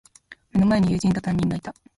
目の前に友人と、担任がいた。